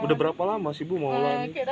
sudah berapa lama sih bu mau lari